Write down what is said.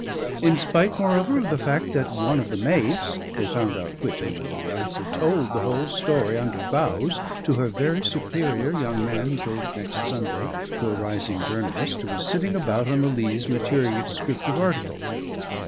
In spite, moreover, of the fact that one of the maids they found out which only long after told the whole story under vows to her very superior young man who told it next Sunday to a rising journalist who was sitting about on the Leas maturing a descriptive article.